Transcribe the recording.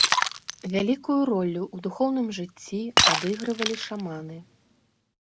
Вялікую ролю ў духоўным жыцці адыгрывалі шаманы.